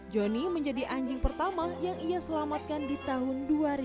johnny menjadi anjing pertama yang ia selamatkan di tahun dua ribu lima belas